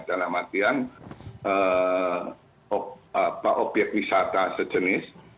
dalam artian obyek wisata sejenis